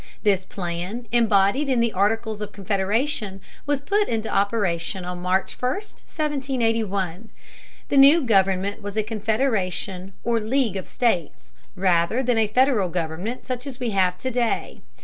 This plan, embodied in the Articles of Confederation, was put into operation on March 1, 1781. The new government was a confederation or league of states, rather than a federal government such as we have to day.